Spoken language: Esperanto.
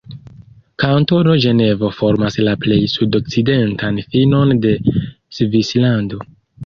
Kantono Ĝenevo formas la plej sudokcidentan finon de Svislando.